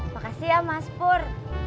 makasih ya mas pur